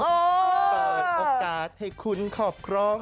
เปิดโอกาสให้คุณครอบครอง